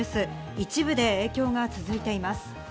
一部で影響が続いています。